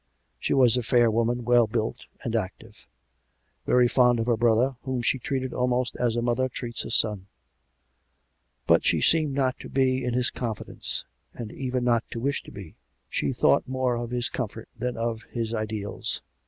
She was a fair woman, well built and active; very fond of her brother, whom she treated almost as a mother treats a son; but she seemed not to be in his confidence, and even not to wish to be; she thought more of his comfort than of his ideals.